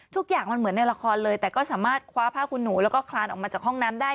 ทุกอย่างมันเหมือนในละครเลยแต่ก็สามารถคว้าผ้าคุณหนูแล้วก็คลานออกมาจากห้องน้ำได้